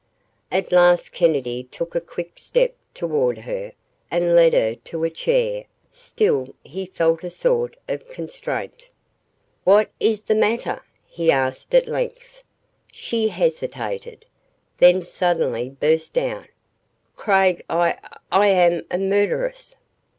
At last Kennedy took a quick step toward her and led her to a chair. Still he felt a sort of constraint. "What IS the matter?" he asked at length. She hesitated, then suddenly burst out, "Craig I I am a murderess!"